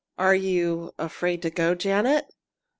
Are you afraid to go, Janet?"